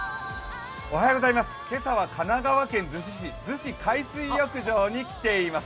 今朝は神奈川県逗子市逗子海水浴場に来ています。